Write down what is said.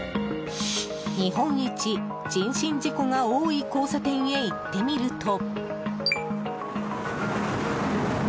日本一、人身事故が多い交差点へ行ってみると。